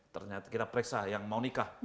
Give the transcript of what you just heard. ternyata kita periksa yang mau nikah